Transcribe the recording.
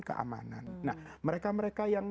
keamanan nah mereka mereka yang